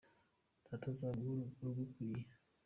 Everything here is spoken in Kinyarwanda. Data azaguhe urugukwiye